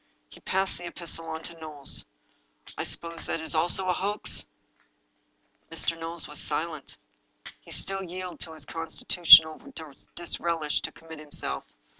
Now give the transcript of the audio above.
He passed the epistle on to Knowles. " I suppose that also is a hoax? " Mr. Knowles was silent. He still yielded to his constitu tional disrelish to commit himself.